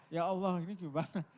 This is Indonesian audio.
ya allah ini gimana